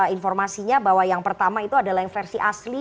informasinya bahwa yang pertama itu adalah yang versi asli